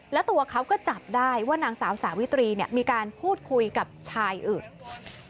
แล้วตัวเขาก็จับได้ว่านางสาวสาวิตรีมีการพูดคุยกับชายอื่น